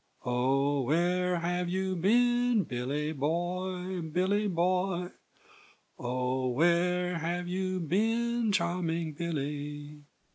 "Oh, where have you been, Billy boy, Billy boy? Oh, where have you been, charming Billy?"